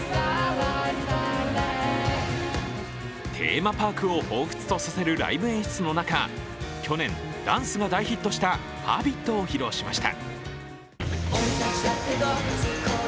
テーマパークをほうふつとさせるライブ演出の中、去年、ダンスが大ヒットした「Ｈａｂｉｔ」を披露しました。